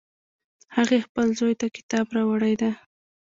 هغې خپل زوی ته کتاب راوړی ده